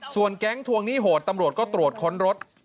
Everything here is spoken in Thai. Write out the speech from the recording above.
ส่วนแก๊งทวงหนี้โหดตำรวจก็ตรวจค้นรถ